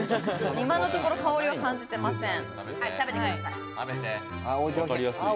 今のところ香りは感じてません。